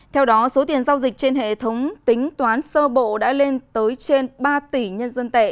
theo đó số tiền giao dịch trên hệ thống tính toán sơ bộ đã lên tới trên ba tỷ nhân dân tệ